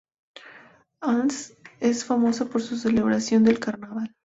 Aalst es famosa por su celebración del carnaval.